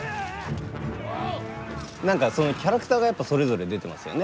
何かそのキャラクターがやっぱそれぞれ出てますよね。